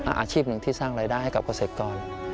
อาชีพหนึ่งที่สร้างรายได้ให้กับเกษตรกร